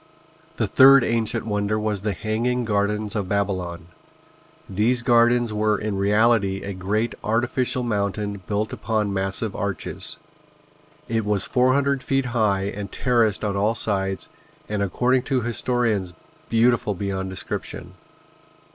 The third ancient wonder was the Hanging Gardens of Babylon. These gardens were in reality a great artificial mountain built upon massive arches. It was four hundred feet high and terraced on all sides and according to historians beautiful beyond description.